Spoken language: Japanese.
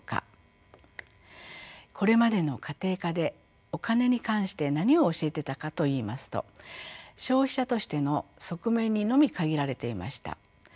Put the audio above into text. これまでの家庭科でお金に関して何を教えてたかといいますと消費者としての側面にのみ限られていました。